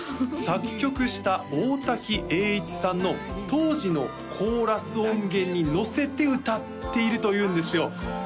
作曲した大滝詠一さんの当時のコーラス音源にのせて歌っているというんですよ